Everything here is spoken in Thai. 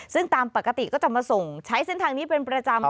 ซึ่งตามปกติก็จะมาส่งใช้เส้นทางนี้เป็นประจำ